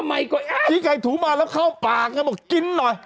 มีไก่ถูมาแล้วเข้าปากกินหน่อย